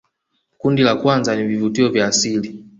kundi la kwanza ni vivutio vya asili